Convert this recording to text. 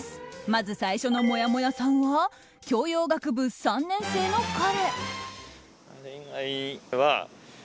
まず最初のもやもやさんは教養学部３年生の彼。